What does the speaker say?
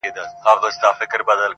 دا لالونه، غرونه، غرونه دمن زما دی؛